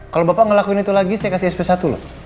kalau bapak ngelakuin itu lagi saya kasih sp satu loh